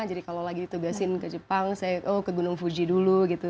jadi kalau lagi ditugasin ke jepang saya ke gunung fuji dulu gitu